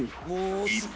［一方］